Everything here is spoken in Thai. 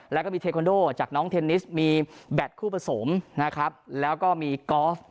แล้วก็มีเทควันโดจากน้องเทนนิสมีแบตคู่ผสมนะครับแล้วก็มีกอล์ฟ